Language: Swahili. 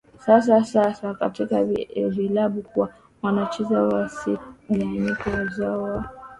sana sana katika vilabu ikiwa wanacheza wasikanyange wenzao wa